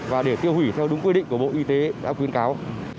và để tiêu hủy theo đúng quy định của bộ y tế đã khuyến cáo